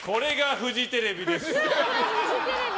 フジテレビ